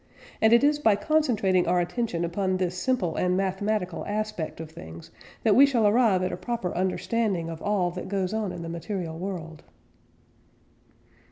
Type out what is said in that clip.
And it is by concentrating our attention upon this simple and mathematical aspect of things that we shall arrive at a proper understanding of all that goes on in the material world.